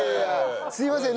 すいません。